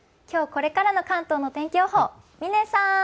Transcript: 今日これからの関東の天気予報、嶺さん！